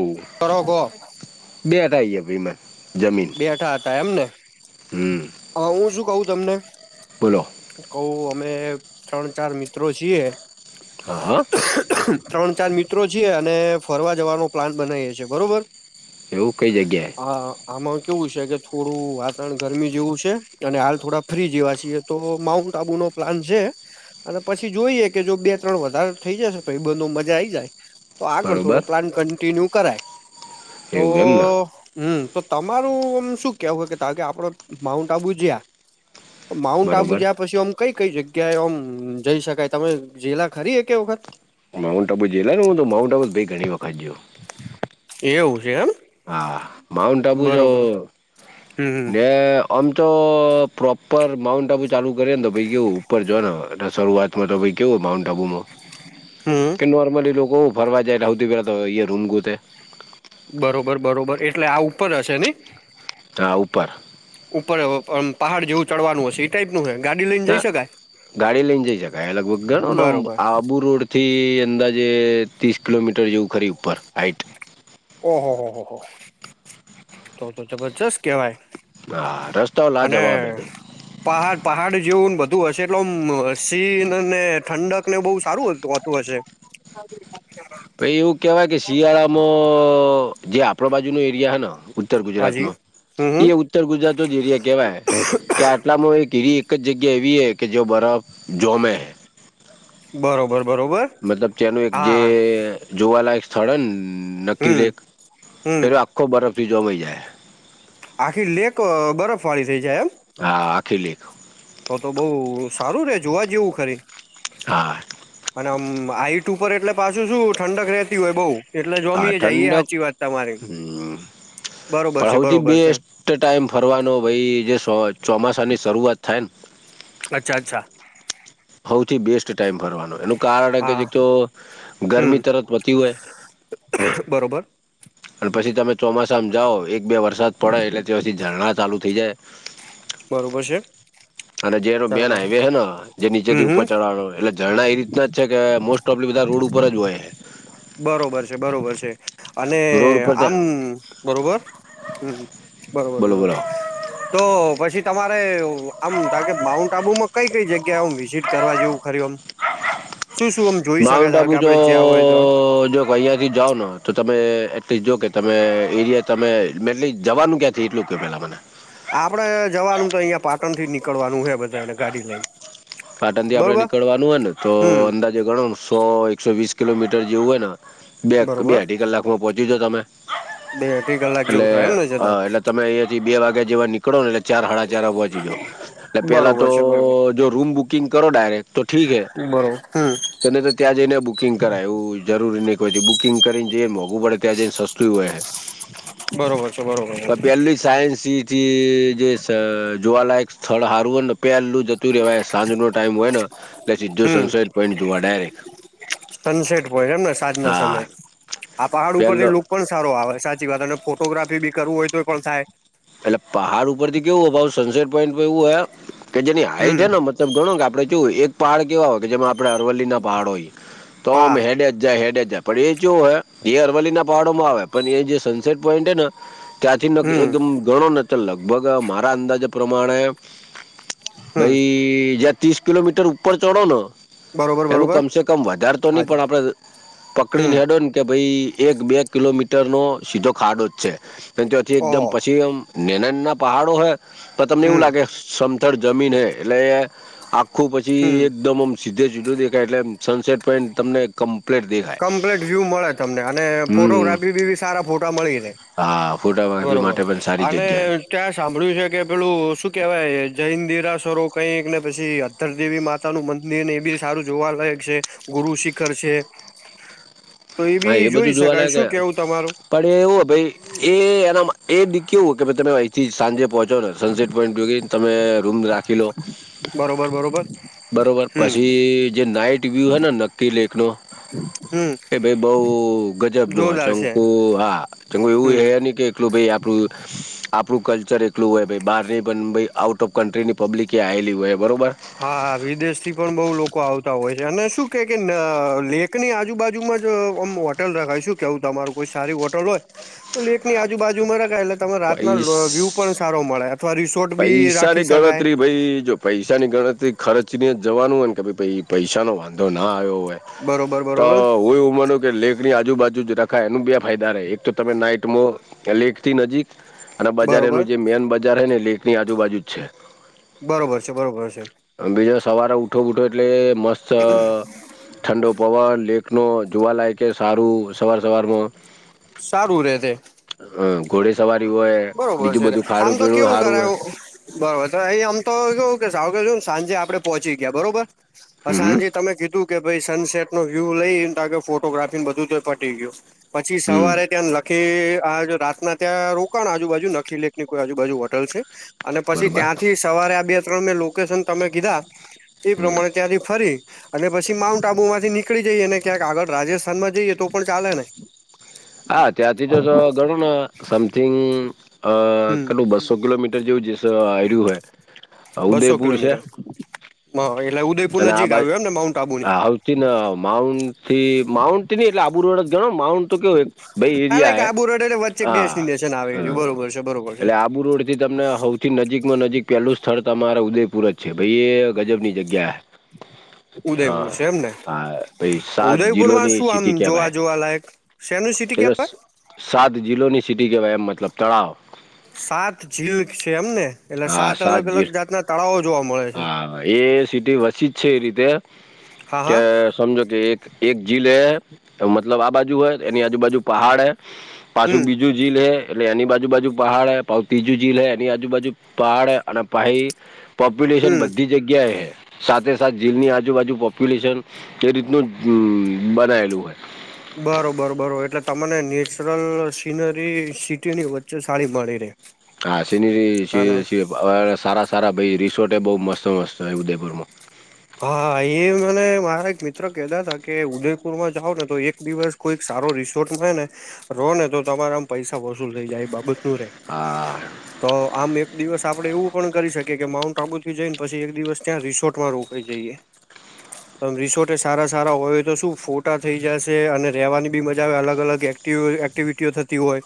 ઓ કરો કહો બે થઈ ભી મને. જમીન બેઠા હતા એમ ને. હમ. હા હું શું કવું તમને. બોલો કઉ અમે ત્રણ ચાર મિત્રો છીએ. હા હ. ત્રણ ચાર મિત્રો છીએ અને ફરવા જવાનો પ્લાન બનાવીએ છીએ બરોબર. એવું કઈ જગ્યાએ હ આમાં કેવું છે કે થોડું વાતાવરણ ગરમી જેવું છે. અને હાલ થોડા ફ્રી જેવા છીએ તો માઉન્ટ આબુ નો પ્લાન છે. અને પછી જોઈએ કે જો બે ત્રણ વધારે થઈ જશે તો એ બધ મજા આઈ જાય. તો આગળ થોડો બરોબર પ્લાન કન્ટિન્યુ કરાય. તો એવું એમ ને હમ તો તમારું આમ શું કેવું કે કે આપડ. માઉન્ટ આબુ જયા માઉન્ટ આબુ બરોબર જયા પછીમ. કઈ કઈ જગ્યા એ ઓમ જઈ શકાય તમે જીલા ખરીએ કે વખત. માઉન્ટ અબુ જેલલાને હું તો માઉન્ટ અબુ ભ ઘણી વખત જો. એવું છે એમ. માઉન્ટન્ટ આબુ જો બરોબર હમ ને. આમ તો પ્રોપર માઉન્ટ આબુ ચાલુ કરે ને તો પાઈ ગયો ઉપર જો ને એ શરૂઆત. મોતોબકી માઉન્ટ. ડબુમાં હમ કે નોર્માલી લોકો ફરવા જાય રાુંતી પેલા તો ઈ રૂમ ગતે. બરોબર બરોબર એટલે આ ઉપર હશે ને. ત્ર ઉપર. ઉપર પહાડ જેવું ચડવાનું હશે. ટાઈપનુંું ગાડી લ. ત ગાડી લઈને જઈ શકાય લગભગ ગણો ને બરોબર આ આબુ રોડ. થી અંદાજે ત્રીસ કિલોમીટર જેવું ખરી ઉપર હાાઈટ. ઓહો હો હો હો તો તો જબરજસ્ત કહેવાય. હા રસ્તાઓ લા જવાબે ભાઈ. પહાડ પહાડ જેવું બધું હશે એટલે સીન ને ઠંડક ને બહુ સારું હોતું હશે. હ. પછ એવું કેવાય કે શિયાળામાં. જે આપ બાજુનો એરિયા હ ઉત્તર હાજી ગુજરાતનો હમ એ. હમ ઉત્તર ગુજરાત જ એરિયા કેવાય કે આટલામાં એક એીરી એક જ જગ્યા એવી હ કે જે બરફ. જામે. બરોબર બરોબર. મતલબ તેનું એક જે. હા જોવાલાયક સ્થળ હ ને હમ નકીલેક હમ પેલો આખો બરફથી જોવાઈ જાય. આખી લેક બરફ વાળી થઈ જાય એમ. હા આખી લેખ. તો તો બઉુ સારુંરે જોવા જેવું ખરી. હા. અને આમ હઈટ ઉપર એટલે પાછું શું ઠંડક રહેતી હોય બઉુ. એટલે હા જામીએ જાય એ ઠંડક સાચી વાત તમારી હમ બરોબર પણ છે સૌથી બરોબર છે. બેસ્ટ ટાઈમ ફરવાનો ભાઈ જેો ચોમાસાની શરૂઆત થાય ને. અચ્છા અચ્છા સૌથી બેસ્ટ ટાઈમ ફરવાનો એનું કારણ કે હા એકતો હમ ગરમી તરત પતી હોય બરોબર. અને પછી તમે ચોમાસામાં જાઓ એક બે વરસાદ પડે એટલે પછી ઝરણા ચાલુ થઇ જાય. બરોબર છે. અને જેનો મેન ચરણા હાઈવે હે જે નીચે હમ થી હમ ઉપર ચડવાનો એટલે. ઝરણા એ રીતનાજ છે કે મોસ્ટ ઓફલી બધા રોડ ઉપરજ હોય. બરોબર છે બરોબર છે અને રોડ ઉપર આમ ત્યાં બરોબર. હમ બરોબર બોલો બોલો બરોબર. તો પછી તમારે આમ કાર કે માઉન્ટ આબુમાં કઈ કઈ જગ્યા હ વિઝિટ કરવા જેવું ખર્યું આમ. શું શું આમ જોઈ શકાય ત કે આપડે જયા હોય તો. અહિયાયા થી જાઓ તો તમે એટલીસ્ટ જો કે તમે એરિયા તમેટ જવાનું ક્યાં. સ્્રીટ લોકોઈ પેલા મને. આપણે જવાનું તો અહીંયા પાટણથી નીકળવાનું હે બધા ને ગાડી લઈને પાટનથી આપણે બરોબર નીકળવાનું હોય ને તો હમ અંદાજ ગણો સો એકસો વીસ કિલોમીટર જેવું હોય ને બે બે બરોબર અઢી કલાકમાં પહોંચી જો તમે બે અઢી કલાક જેવું એટલે થાય એમને જતા એટલે તમે અહ બે વાગ્યા જેવા નીકળો ને એટલે ચાર હાડા ચારે પહોંચી જાવ એટલે પેલા બરોબર તો છે બરોબર જો રૂમ બુકિંગ કરો ડાયરેક્ટ તો ઠીહે બરોબર હમ તેને તો ત્યાં જઈને બુકિંગ કરાયુ એવું જરૂરી નહીં હોય બુકિંગ કરીને જે મોંઘું પડે ત્યાં જઈને સસ્તું હોય બરોબર છે બરોબર પેલી સાયન શી જે જે જોવાલાયક સ્થળ હારું અને પેલું જ [unintelligible] સાંજ નો ટાઈમ હોય ને સીધો હમ સનસેટ પોઈન્ટ જોવા ડાયરેક્ટ સનસેટ હોય એમને સાંજ ના હા સમયે આ પહાડ પેલો ઉપરથી લુક પણ સારો આવે સાચી વાત અને ફોટોગ્રાફી બી કરવું હોય તો પણ થાય એટલે પહાડ ઉપર થી કેવું ભાવ સનસેટ પોઈન્ટ એવું હો કે જેની હાઈટ હમ હેને ત ગણો કે આપડે જોુ એક પહડ કેવા હોય કે જેમાં આપ અરવલ્લી ના પાડ હોય તો આમ હા હેડે જ જાય હેડે જ જાય પડ એ કેવું હોય એ અરવલ્લી ના પહડોમાં આવે પણ એ જે સનસેટ પોઈન્ટ હે ને ત્યાંથી ન હમ એકદમ ગણો ને લગભગ મારા અંદાજ પ્રમાણે હમ ભાઈ ત્રીસ કિલોમીટર ઉપર ચઢો ને બરોબર એનું બરોબર કમસેે કમ વધારે તો નહી હાજી પણ આપણે હમ પકડીને હેડોને કે ભાઈ એક બે કિલોમીટરનો સીધો ખાડો જ છે અને તેથી એકદમ ઓહો પછી નેનન પહાડો હોય તો તમને એવું હમ લાગે સમથર જમીન હૈ એટલે આખું પછી હમ એકદમ આમ સીધે સીધું દેખાય એટલે સનસેટ પોઈન્ટ તમને કમ્લેટ દેખા કમ્પ્લીટ વ્યુ મળે તમને અને હમ ફોટોગ્રાફી બી બી સારા ફોટા મળી જાય હા ફોટોગ્રાફી માટે પણ સારી જગ્યા અને ત્યાં સાંભળ્યું છે કે પેલું શું કેવાય જૈન દેરાસરો કઈક ને પછી તર દેવી માતા નું મંદિર ને એ બી સારું જોવા લાયક છે ગુરુ શિખર છે તો એ હા બી જોઈ બધું શકાય જોવાલાયક હે શું કેવું તમારું પણ એવું ભાઈ એ એ દીક એવું કે તમે અહીંથી સાંજે પહોંચ [unintelligible] સનસેટ પોઈન્ટ યોગી તમે રૂમ રાખી લો બરોબર બરોબર બરોબર હમ પછી જે નાઈટ વ્યુ હે ને નક્કી લેક નો હમ કે ભાઈ બઉ ગજબ નો હો જોરદાર છે ચંકુ હા ચકુ એવું હ હમ નહી કે એકલું ભઈ [unintelligible] આપડું કલ્ચર એકલું હોય બહાર ની પણ આઉટ ઓફ કન્ટ્રીની પબ્લિક એ આયેલી હોય બરોબર હા હા વિદેશ થી પણ બહુ લોકો આવતા હોય છે અને શું કે કે લેખની આજુબાજુમાં જો આમ હોટલ રખાય શું કેવું તમારું કોઈ સારી હોટલ હોય તો લેક ની આજુ બાાજુમાં રખાય એટલે તમે રાતના પૈસ વ્યુ પણ સારો મળે અથવા રિસોર્ટ બી રાખી પૈસાની શકાય ગણતરી ભાઈ જો પૈસાની ગણતરી ખર્ચની જ જવાનું હોય ને કે ભાઈ પૈસાનોો વાંધો ના આવ્યો હોય બરોબર તો બરોબર હુંય એવું માનું લેક ની આજુબાજુ જ રખાય એનું બે ફાયદા રહે એક તો તમે નાઈટમાં લેખ થી નજીક અને બજાર બરોબર એનું જે મેન બજાર છે ને લેકની આજુબાજુ જ છે. બરોબર છે બરોબર છે. બીજો સવારે ઉઠો બઠો એટલે મસ્ત ઠંડો પવન લેકનો જોવાલાયકેય સારું સવાર સવારમાં સારું રે તે હ ઘોડે સવારી હોય બરોબર બીજું છે બધું આમ ખાણું તો પીણું કેવું સારું હોય કરાયું બરોબર તો અહીં આમ તો કેવું કે સા છું ને સાંજે આપડે પોચી ગયા બરોબર. બસ હમ હમ સાંજે તમે કીધું. કે ભ‌ઇ સનસેટ નો વ્યુ લઈ તાકે ફોટોગ્રાફી બધું તો પટી ગયું પછી હમ સવારે ત્યાં. કે આજ રાત ના ત્યાં રોકાણ આજુબાજુ નખી લેખ ની કોઈ આજુબજુ હોટલ છે. અને પછી બરોબર ત્યાંથી સવારે આ બે ત્રણ મેં લોકેશન તમે કીધા એ હમ પ્રમાણે ત્યારે ફરી. અને પછી માઉન્ટ આબુમાંથી નીકળી જઈએ ને ક્યાંક આગળ રાજસ્થાન માં જઈએ તો પણ ચાલે ને. હા ત્યાંથી જો જો ઘણું સમથિંગ અ. હમ કેટલું બસો કિલોમીટર જેવું જેશ આયુરી એ. બસો કિલોમીટર મ એટલે ઉદયપુર નજીક આવ્યો એમ ને માઉન્ટ આબુ ની. થી ના માઉન્ટ થી માઉન્ટ થી ની એટલે આબુરોડે ગણો માઉન્ટ તો કેવો. ભાઈ હા લાઈક એરિયા હે આબુ રોડ એટલે વચ્ચે એક હા ડેસ્ટિનેશન આવે હ એ બરોબર છે બરોબર છે એટલે આબુ રોડ. થી તમને હૌથી નજીકમાં નજીક પહેલું સ્થળ તમારે ઉદયપુર જ છે ભાઈ એ ગજબ ની જગ્યા હે. [unintelligible] ઉદયપુર હા છે એમને હા ભાઈ સાત ઉદયપુર માં જિલ્લોની શું આમ સિટી જોવા કહેવાય જોવા લયક. એ તો સાત જિલ્લોની સિટી કેવાય એમ મતલબ તળાવ. સાત ઝીલ છે એમને એટલે હા સાત અલગ અલગ જી જાતના તળાવ જોવા મળે છે. હા એ સિટી વચીજ છે એ રીતે હા કે હા સમજો કે એક. એક જીલ હે મતલબ આ બાજુ હોય એની આજુબાજુ પહાડ હે પાછું હમ બીજું. જીલ હે એટલે એની બાજુ બાજુ પહાડ હે પ ત્રીજું જીલ હૈ એની આજુબાજુ. પાહાડ અને પાહી. પોપ્યુલેશન હમ બધી જગ્યાએ હે સાથે સાથે જીલની આજુબાજુ પોપ્યુલેશન. એ રીતનું બનાયેલું હોય. બરોબર બરોબર એટલે તમને નેચરલ સીનરી સિટીની વચ્ચે સારી મળી રહે. હા સિનરી સી સી અ સારા સારા ભઈ રિસોર્ટ બહુ મસ્ત મસ્ત હે ઉદયપુરમાં. હા હા એ મને મારા એક મિત્ર કેતા હતા કે ઉદયપુર માં જાવ ને તો એક દિવસ. કોઈક સારો રિસોર્ટમાં હોય ને રહો ને તો તમારા આમ પૈસા વસૂલ થઈ જાય એ બાબત નું રે. હા. તો આમ એક દિવસ આપડે એવું પણ કરી શકીએ કે માઉન્ટ આબુ થી જઈને પછી એક દિવસ ત્યાં રિસોર્ટ માં રો. હોઈ જઈએ. રિસોર્ટ એ સારા સારા હોયય તો શું ફોટા થઈ જશે અને રવાની બી મજા આવે અલગ અલગ એક. એક્ટિવિટીઓ થતી હોય.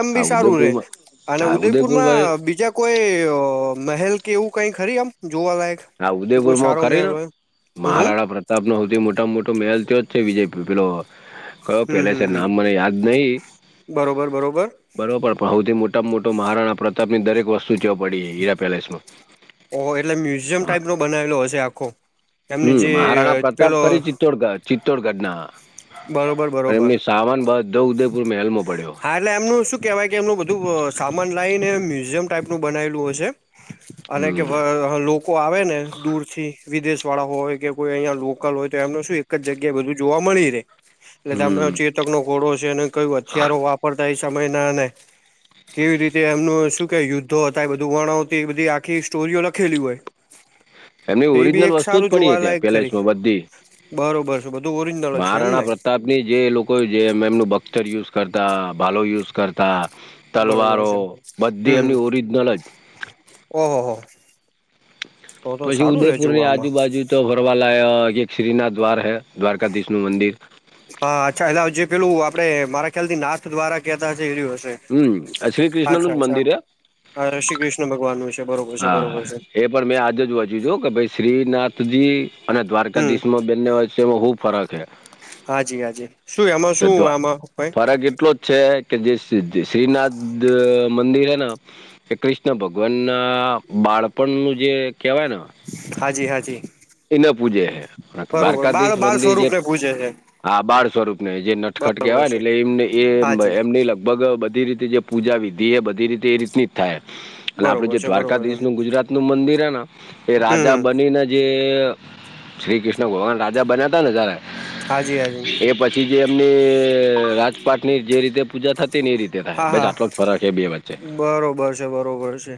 એમ હા બી સારું રે ઉદયપુરમાં અને હા ઉદયપુર ભાઈ ઉદયપુરમાં બીજા. કોઈ મહેલ કે એવું કઈ ખરી આમ જોવાલાયક આ કે ઉદયપુર કોઈ માં સારો કરીને મહેલ હોય હમ હમ મહારાણા પ્ર. પ્રતાપ નો હોવથી મોટા મોટો મેહેલ તોયો જ છે વિજય પેલો. કહયો હમ પેલા છે હમ હમ નામ મને યાદ નહિ. બરોબર બરોબર બરોબર પણ હોવથી મોટામાં મોટો મહારાણા પ્રતાપ ની દરેક વસ્તુ જેવ પડી હે હીરા પેલેસ માં. ઓ એટલે મ્યુઝિયમ ટાઈપનો બનાવેલો હશે આખો એમની હમ જે મહારાણા પ્રતાપ પેલો. ખરી ચિત્તોડગઢ ચિત્તોડગઢના બરોબર પણ બરોબર એમની સામાન બઘો ઉદયપુર મહેલમાં પડ્યો. હા એટલે એમનું શું કેહેવાય કે એમનું બધું સામાન લઇને મ્યુઝિયમ ટાઈપનું બનાયલું હશે. અને કે હમ અ લોકો આવે ને દૂર થી. વિદેશ વાળા હોય કે કોઈ અહીયાં લોકલ હોય તો એમનું શું એક જગ્યાએ બધું જોવા મળી રહેે. એટલે તને હમ ચેતકનો ઘોડો છે અને કહ્યું હથિયારો વાપરતા એ સમયનાને. કેવી રીતે એમનું શું કે યુદ્ધો હતા બધું વર્ણ હતી બધી આખી સ્ટોરીઓ લખેલી હોય. એમની [unintelligible] એ બી ઓરિજનલ એક વસ્તુ જ સારું પડી હતી આ જોવાલાયક ખરી પેલેસમાં બધી બરોબર છે બધું ઓરિજનલ જ. એમ મહારાણા ને પ્રતાપની જે લોકો જેમ એમનું બખ્તર યુઝ કરતા ભાલો યુઝ કરતા. બરોબર તલવારો બધી એમની ઓરિજનલ જ. ઓહ હો. પછી ઉદેપુર ની આજુબાજુ. તો ભરવાા એક શ્રીનાથ દ્વાર હૈ દ્વારકાધીષ્ણુ નુ મંદિર. હા અચ્છા એટલે જે પેલું આપડે મારા ખ્યાલથી નાથ દ્વારા કહેતા હશે એ્યું હશે. હમ શ્રી કૃષ્ણનું જ મંદિર હૈ. હ શ્રી કૃષ્ણ ભગવાનનું છે. બરોબર છે હા બરોબર છે એ પણ મેં આજે જ વાચુ છ કે ભાઈ શ્રીનાથજી. અને હમ દ્વારકાધીશમાં બનને હોય છે એમાં હુ ફરક હૈ. હાજી હાજી. શું એમાં શું તટવા આમાં કઈ ફરક એટલોજ છે. કે જે શ્રીનાથ મંદિર હૈ ને. કે કૃષ્ણ ભગવાનના બાળપણનું જે કહેવાય ને. હાજી હાજી એને પૂજે હૈ બરોબર બાળ દ્વારકાધીશ બાળ મંદિરજે. સ્વરૂપ ને પૂજે છે હા બાળ સ્વરૂપ ને જે નટખટ બરોબર કેવાય ને છે એટલે એમને એ હાજી એમ ન લ. લગભગ બધી રીતે જે પૂજા વિધિ એ બધી રીતે એ રીતની. થાય અને આપડું બરોબર જે છે બરોબર છે દ્વારકાધીશ નું ગુજરાત નું મંદિર હ એ રાજા હમ બનીને જે. શ્રી કૃષ્ણ ભગવાન રાજા બન્યા હતા ને જારે. હાજી હાજી. પછી જે એમની રાજપાટની જે રીતે પૂજા થતી. તેની રીતે થાય હા બસ હા આટલો જ ફરક છે બે વચ્ચે. બરોબર છે બરોબર છે.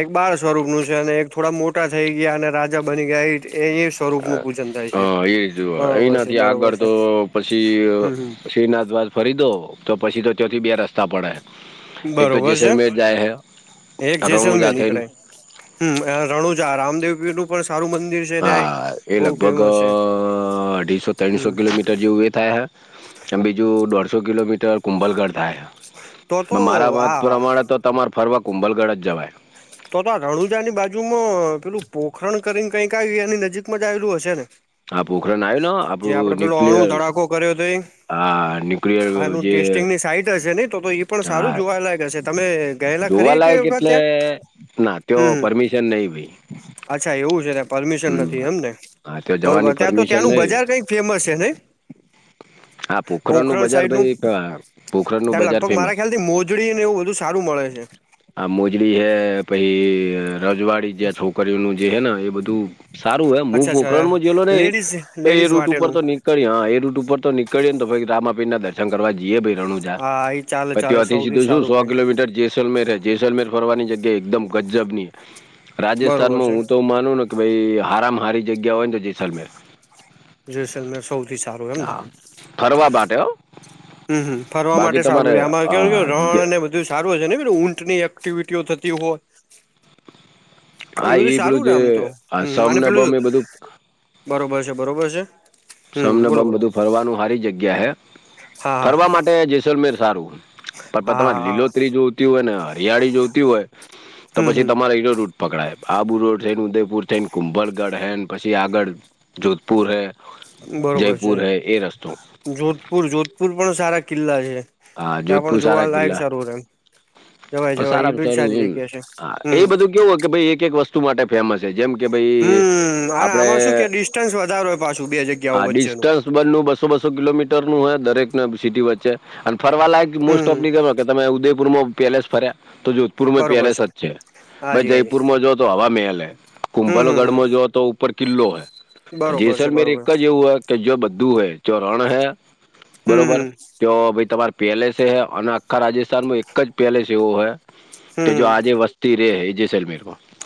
એક બાળ સ્વરૂપ નું છે અને એક થોડા મોટા થઈ ગયા અને રાજા બની ગયા. સ્વરૂપનું પૂજન થાય છે. હા એજ એ બરોબર છે નથી બરોબર આગળ છે તો પછી. હમ હમ શ્રીનાથ બાદ ફરી દો તો પછી તો ચોથી બે રસ્તા પડે. એક તો બરોબર છે જેસલમેર જાય હૈ એક રઉંજા જેસલમેર થઈ. નીકળે હમ રણુજા રામદેવ નું. પણ સારું મન. હા એ લગભગ અઢીસો ત્રસો હમ કિલોમીટર. જેવું એ થાય હ બીજું દોઢસો કિલોમીટર. કુંભલગઢ થાય તો પણ તો મારા મત આ પ્રમાણે તો તમારે ફરવા કુંભલગઢ જ જવાય. તો તો રણુજાની બાજુમાં પેલું પોખરણ કરીને કઈક આવી એની નજીકમાં જ આવેલું હશે ને. આ પોખરણ આવ્યું ને જે આપડે આપણું પેલો અણુ ન્યુક્લિયર ધડાકો કર્યો હતો એ. આ ન્યુક્લિયર આનું જે ટેસ્ટિંગની સાઈટ હશે નહી તો એ પણ સારું હા જોવાલાયક હશે તમે. ગયેલા ખરી કે જોવાલાયક વખત એટલે ત્યાં ના તે હમ પરમિશન નહિ ભાઈ. અચ્છા એવું છે. પરમિશન નથી હમ એમ ને હા ત્યાં બરોબર જવાની ત્યાં તો પરમિશન ત્યાંનું નહી બજાર કઈક ફેમસ છે ને. હા પોખરણનું ગોખરણ બજાર સાઈડ નું ભાઈ પોખરણનું ત્યારે બજાર લગભગ મારા ફેમસ ખ્યાલ થી મોજ. મોજળી ને એવું વધુ સારું મળે છે. આ મોજડી હે પછી રજવાડી જેં છોકરીઓનું જે હે ને એ બધું. સારું હે હું અચ્છા અચ્છા પોખરણમાં જયેલો નહી લેડીઝ પ એ લેડીઝ રૂટ ઉપર માટેનું તો નીક ળ હ એ રૂટ ઉપર તો નીકળીએ તો ભ રામાપીર ના દર્શન કરવા જઈએ ભાઈ રણું હા એ ચાલે પછ ચાલે તેથી સૌથી સીધું શું સારું સો ભાઈ કિલોમીટર જે. જસલમેર હ જેસલમેર ફરવાની જગ્યા એકદમ ગજજબ ની બરોબર રાજસ્થાનમાં છે હું તો માનું. ભાઈ હારમાં હારી જગ્યા હોયને તો જેસલમેર. જોસલમે સૌથી સારું એમ ને. હા ફરવા માટે. હમ ફરવા બાકી માટે સારું રે તમારે આમાં કે હા ગ- રણનેબધ. બ સારું છે ને ઊંની એક્ટિવિટીઓ થતી હોય. એવ હા બધું એ સારું પેલું રે જે આમ તો આ હમ સમ અને ને પેલું બમ એ બધું બરોબર છે બરોબર છે. હમ સમને બોલો બમ બોલો બધું ફરવાનું હારી જગ્યા હે હા હા ફરવા માટે જેસલમેર સારું. પણ હા તમારે હા હા લીલોતરી જોતી હોય ને હરિયાળી જોતી હોય તો હમ પછી હમ તમારે. પકડાય આબુ રોડ છે ને ઉદયપુર છે ને કુંભરગઢ હૈ ને પછી આગળ જોધપુર હૈ. બરોબર છે જોધપુર જોધપુર પણ સારા કિલ્લા છે. હા ત્યાં પણ જોધપુર સારા જોવા લાયક કિલ્લા સારું રે એમ. જવાય પણ જવાય એ બ સારી જગ્યા છે હમ. કેવો કે ભાઈ એક એક વસ્તુ માટે ફેમસ છે જેમ. કે ભાઈ હમ્મ અને આમાં શું કે આપણે ડિસ્ટન્સ વધારો હોય પાછું બે જગ્યાઓ વચ્ચે નું. બું બસો બસો કિલોમીટર નું હોય દરેકને સિટી વચ્ચે અને ફરવા લાયક મોસ્ટ હમ ઓફની. કે તમે ઉદયપુરમાં પેલેસ ફર્યા તો જોધપુર માય પેલેસ જ છે ભાઈ હાજી હાજી જયપુર માં જો. તો હવા મેલ હે હમ હમ હમ કુંભલગઢમાં જો તો ઉપર કિલ્લો હૈ. બરોબર છે જેસલ મેર એક બરોબર જ એવું હે કે જો બધું હોય જયો રણ હૈ હમ બરોબર. હમ તો ભાઈ તમારે પેલેસે હ અને આખા રાજસ્થાન માં એક જ પેલેસ એવું હે. કે જો હમ આજે વસ્તી રે હૈ જેસલમેરમાં.